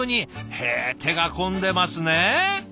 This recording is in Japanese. へえ手が込んでますねえ！